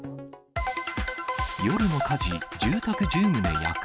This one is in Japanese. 夜の火事、住宅１０棟焼く。